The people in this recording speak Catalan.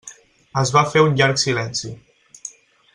Es va fer un llarg silenci.